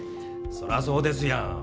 そらそうですやん。